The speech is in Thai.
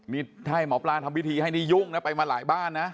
นี่ถ้าให้หมอปลาทำพิธีให้นี่ยุ่งนะไปมาหลายบ้านนะ